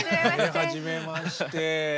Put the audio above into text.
はじめまして。